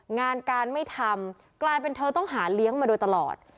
งานการไม่ทำกลายเป็นเธอต้องหาเลี้ยงมาโดยตลอด